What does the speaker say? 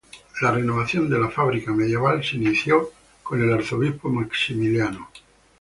La renovación de la fábrica medieval se inició con el arzobispo Maximiliano.